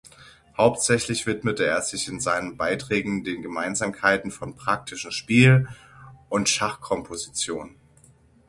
Hauptsächlich widmete er sich in seinen Beiträgen den Gemeinsamkeiten von praktischem Spiel und Schachkomposition.